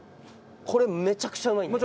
これめちゃくちゃうまいんで。